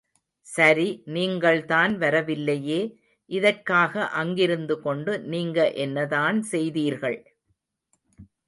சரி நீங்கள்தான் வரவில்லையே, இதற்காக அங்கிருந்துகொண்டு நீங்க என்னதான் செய்தீர்கள்?